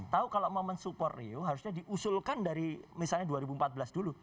tahu kalau mau mensupport rio harusnya diusulkan dari misalnya dua ribu empat belas dulu